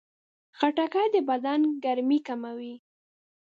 خټکی د بدن ګرمي کموي.